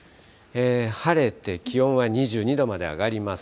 晴れて気温は２２度まで上がります。